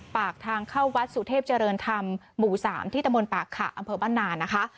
ปากทางเข้าวัดสุเทพเจริญธรรมหมู่๓ที่ตะมนต์ปากขะอำเภอบ้านนานะคะ